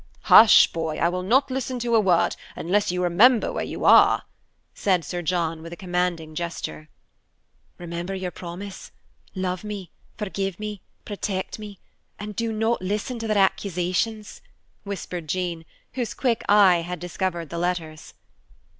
"Hush, boy, I will not listen to a word, unless you remember where you are," said Sir John with a commanding gesture. "Remember your promise: love me, forgive me, protect me, and do not listen to their accusations," whispered Jean, whose quick eye had discovered the letters.